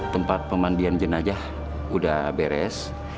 tempat pemandian jenajah udah beres